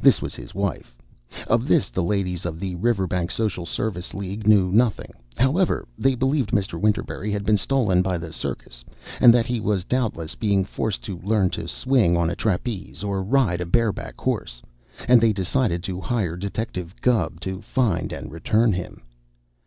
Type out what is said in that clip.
This was his wife. Of this the ladies of the Riverbank Social Service League knew nothing, however. They believed Mr. Winterberry had been stolen by the circus and that he was doubtless being forced to learn to swing on a trapeze or ride a bareback horse, and they decided to hire Detective Gubb to find and return him.